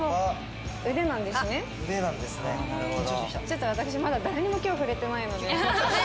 ちょっと私まだ誰にも今日触れてないので。